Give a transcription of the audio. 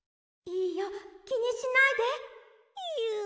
いいよきにしないで！にゅ。